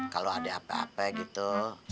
kalau ada apa apa gitu